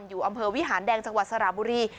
อยู่อำเภอวิหารแดงจังหวัดสระบุรี